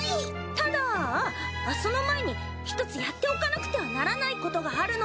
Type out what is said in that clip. ただあっその前に１つやっておかなくてはならないことがあるの。